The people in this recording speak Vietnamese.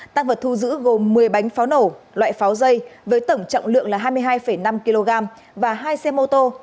tăng vật thu giữ gồm một mươi bánh pháo nổ loại pháo dây với tổng trọng lượng là hai mươi hai năm kg và hai xe mô tô